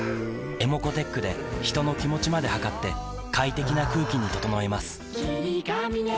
ｅｍｏｃｏーｔｅｃｈで人の気持ちまで測って快適な空気に整えます